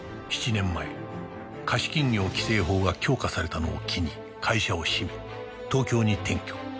７年前貸金業規制法が強化されたのを機に会社を閉め東京に転居